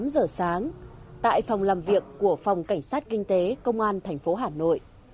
tám giờ sáng tại phòng làm việc của phòng cảnh sát kinh tế công an thành phố hà nội